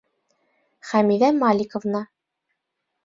Хәмиҙә Маликовна: